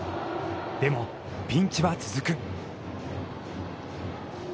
でも、ピンチは続く。